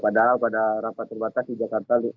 padahal pada rapat terbatas di jakarta